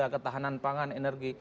ketahanan pangan energi